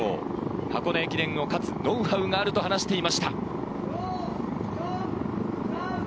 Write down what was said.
箱根駅伝を勝つノウハウがあると話していました。